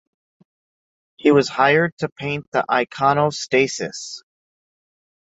He was hired to paint the iconostasis.